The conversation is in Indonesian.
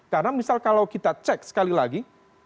karena misal kalau kita cek sekali lagi